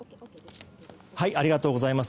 ありがとうございます。